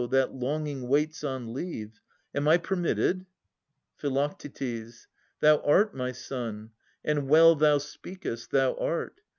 That longing waits on leave. Am I permitted ? Phi. Thou art, my son, — and well thou speakest, — thou art.